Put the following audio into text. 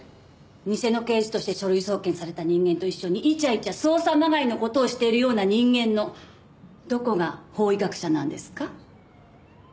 偽の刑事として書類送検された人間と一緒にイチャイチャ捜査まがいの事をしているような人間のどこが法医学者なんですか？